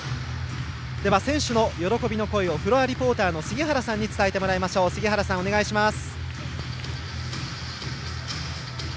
選手の喜びの声をフロアリポーターの杉原さんに伝えてもらいましょう杉原さん、お願いします。